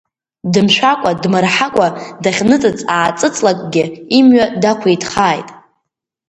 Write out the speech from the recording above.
Дымшәакәа-дмырҳакәа, дахьныҵыҵ-ааҵыҵлакгьы, имҩа дақәиҭхааит!